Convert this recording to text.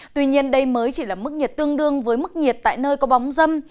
tuy nhiên đây mới chỉ là mức nhiệt tương đương với mức nhiệt tại nơi có bóng dâm